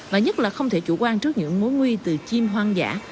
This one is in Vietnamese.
và nhất là không thể chủ quan trước những mối nguy từ chim hoang dã